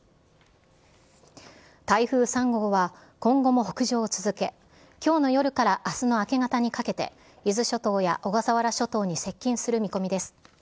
台風３号は今後も北上を続け、きょうの夜からあすの明け方にかけて、伊豆諸島や小笠原諸島に接近する見込みです。